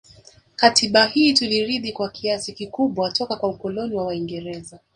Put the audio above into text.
Katiaba hii tuliirithi kwa kiasi kikubwa toka kwa ukoloni wa waingereza